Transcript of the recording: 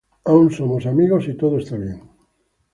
Aun somos amigos y todo esta bien.